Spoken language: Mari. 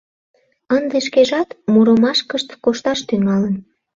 Ынде шкежат мурымашкышт кошташ тӱҥалын.